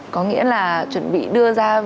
có nghĩa là chuẩn bị đưa ra